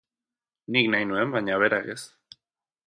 Nik nahi nuen, baina berak ez.